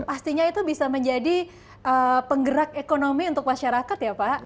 pastinya itu bisa menjadi penggerak ekonomi untuk masyarakat ya pak